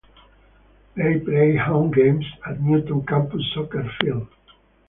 They played home games at Newton Campus Soccer Field.